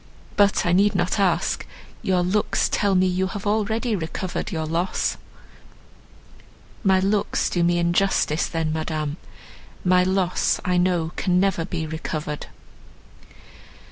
But I need not ask, your looks tell me you have already recovered your loss." "My looks do me injustice then, Madame, my loss I know can never be recovered."